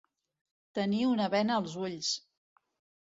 Tenir una bena als ulls.